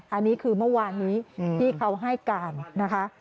อันนี้คือเมื่อวานนี้ที่เขาให้การนะคะ